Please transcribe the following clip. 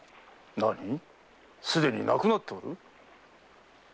何すでに亡くなっておる？